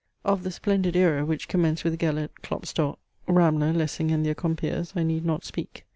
Of the splendid aera, which commenced with Gellert, Klopstock, Ramler, Lessing, and their compeers, I need not speak.